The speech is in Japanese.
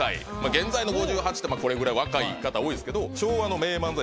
現在の５８歳ってこれぐらい若い方多いですけど。